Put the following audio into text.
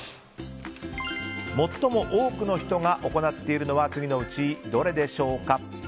最も多くの人が行っているのは次のうちどれでしょうか。